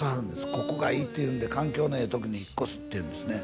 ここがいいっていうんで環境のええとこに引っ越すっていうんですね